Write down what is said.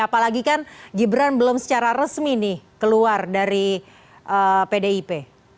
apalagi kan gibran belum secara resmi nih keluar dari pdip